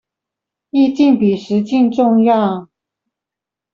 意境比實境重要